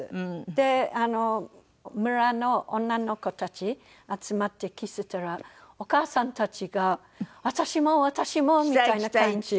で村の女の子たち集まって着せたらお母さんたちが「私も私も」みたいな感じ。